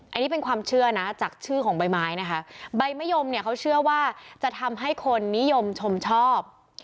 อันนี้เป็นความเชื่อนะจากชื่อของใบไม้นะคะใบมะยมเนี่ยเขาเชื่อว่าจะทำให้คนนิยมชมชอบ